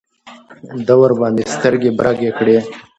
ده ورباندې سترګې برګې کړې.